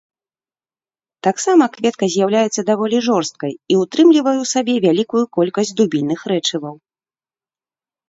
Таксама кветка з'яўляецца даволі жорсткай і ўтрымлівае ў сабе вялікую колькасць дубільных рэчываў.